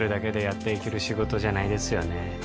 やっていける仕事じゃないですよね